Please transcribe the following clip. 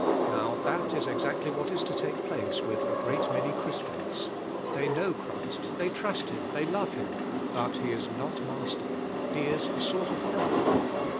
Now, that is exactly what is to take place with a great many Christians. They know Christ, they trust Him, they love Him, but He is not Master, He is a sort of helper.